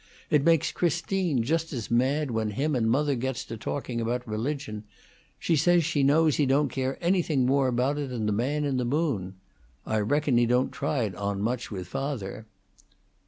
It makes Christine just as mad when him and mother gets to talking about religion; she says she knows he don't care anything more about it than the man in the moon. I reckon he don't try it on much with father."